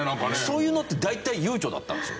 そういうのって大体ゆうちょだったんですよ。